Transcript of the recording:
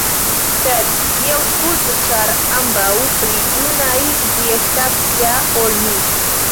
Sed vi aŭskultu, ĉar ambaŭ pli junaj vi estas ja ol mi.